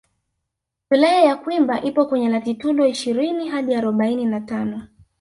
Wilaya ya Kwimba ipo kwenye latitudo ishirini hadi arobaini na tano